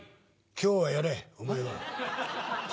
今日はやれお前が。え。